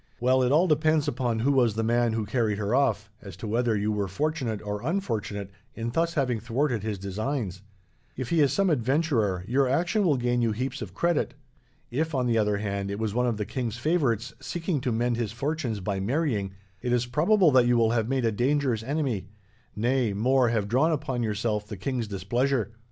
Well, it all depends upon who was the man who carried her off, as to whether you were fortunate or unfortunate in thus having thwarted his designs. If he is some adventurer, your action will gain you heaps of credit. If, on the other hand, it was one of the king's favourites, seeking to mend his fortunes by marrying, it is probable that you will have made a dangerous enemy nay, more, have drawn upon yourself the king's displeasure.